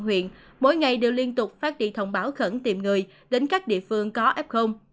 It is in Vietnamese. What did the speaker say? huyện mỗi ngày đều liên tục phát đi thông báo khẩn tìm người đến các địa phương có f